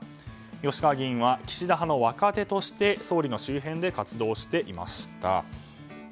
吉川議員は岸田派の若手として総理の周辺で活動していました。